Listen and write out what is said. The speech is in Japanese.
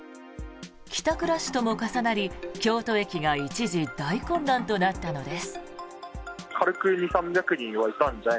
帰宅ラッシュとも重なり京都駅が一時大混乱となったのです。